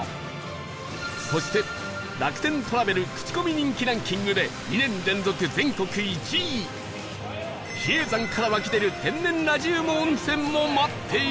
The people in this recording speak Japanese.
そして楽天トラベルクチコミ人気ランキングで２年連続全国１位比叡山から湧き出る天然ラジウム温泉も待っている